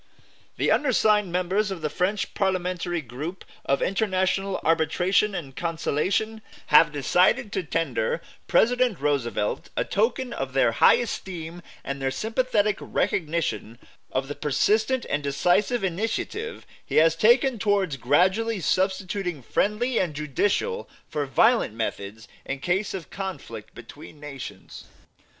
"The undersigned members of the French Parliamentary Group of International Arbitration and Conciliation have decided to tender President Roosevelt a token of their high esteem and their sympathetic recognition of the persistent and decisive initiative he has taken towards gradually substituting friendly and judicial for violent methods in case of conflict between Nations.